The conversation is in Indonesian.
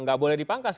nggak boleh dipangkas